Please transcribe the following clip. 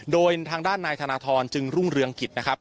โดยทางด้านนายธนทรจึงรุ่งเรืองกิจนะครับ